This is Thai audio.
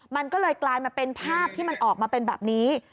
มันก็เลยกลายมาเป็นภาพที่มันออกมาเป็นแบบนี้